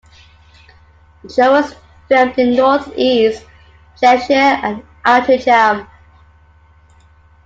The show was filmed in north east Cheshire and Altrincham.